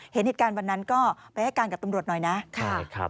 เห็นเหตุการณ์วันนั้นก็ไปให้การกับตำรวจหน่อยนะ